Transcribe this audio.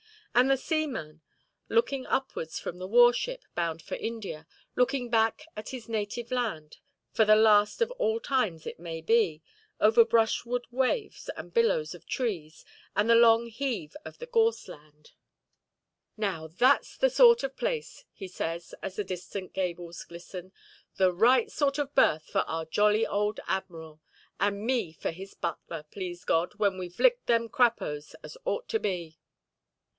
And the seaman, looking upwards from the war–ship bound for India, looking back at his native land, for the last of all times it may be, over brushwood waves, and billows of trees, and the long heave of the gorseland: "Now, thatʼs the sort of place", he says, as the distant gables glisten; "the right sort of berth for our jolly old admiral, and me for his butler, please God, when weʼve licked them Crappos as ought to be".